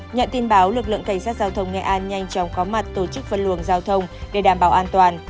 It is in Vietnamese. nhận tin báo lực lượng cảnh sát giao thông nghệ an nhanh chóng có mặt tổ chức phân luồng giao thông để đảm bảo an toàn